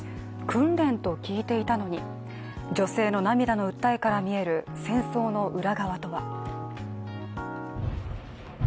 訓練と聞いていたのに、女性の涙の訴えから見える戦争の裏側とは。